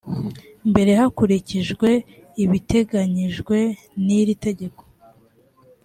mbere hakurikijwe ibiteganyijwe n iri tegeko